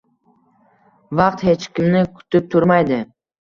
Vaqt hech kimni kutib turmaydi!